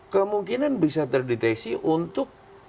kemungkinan bisa terdeteksi untuk